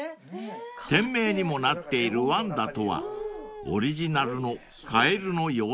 ［店名にもなっているワンダとはオリジナルのカエルの妖精］